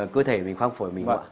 cơ thể mình khoang phổi mình